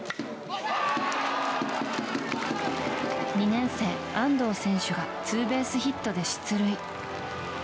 ２年生、アンドウ選手がツーベースヒットで出塁。